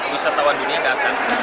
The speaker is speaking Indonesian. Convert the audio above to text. bisa tawar dunia datang